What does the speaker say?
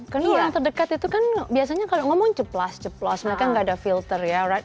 karena orang terdekat itu kan biasanya kalau ngomong ceplas ceplas mereka enggak ada filter ya right